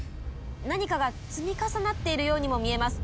何かが積み重なっているようにも見えます。